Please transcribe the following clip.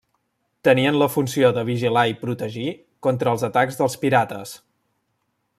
Tenien la funció de vigilar i protegir contra els atacs dels pirates.